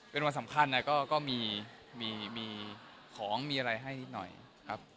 เป็นวันสำคัญนะก็มีของมีอะไรให้นิดหน่อยครับ